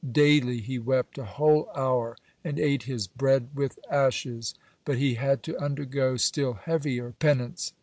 Daily he wept a whole hour and ate his "bread with ashes." (95) But he had to undergo still heavier penance.